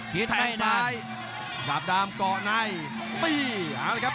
แบนซ้ายดำก็ไหน